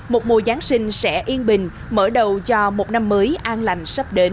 một mùa giáng sinh sẽ yên bình mở đầu cho một năm mới an lành sắp đến